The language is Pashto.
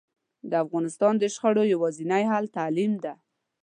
د افغانستان د شخړو یواځینی حل تعلیم ده